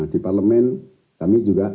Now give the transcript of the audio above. di parlemen kami juga